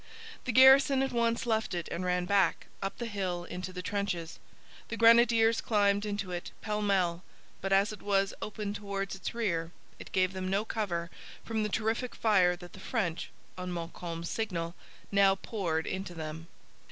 The garrison at once left it and ran back, up the hill, into the trenches. The grenadiers climbed into it, pell mell; but, as it was open towards its rear, it gave them no cover from the terrific fire that the French, on Montcalm's signal, now poured into them.